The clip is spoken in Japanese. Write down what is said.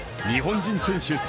日本人選手